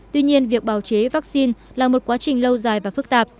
tuy nhiên việc bào chế vaccine là một quá trình lâu dài và phức tạp